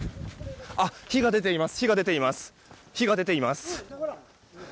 火が出ています。